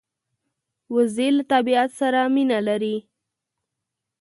وزې له طبیعت سره مینه لري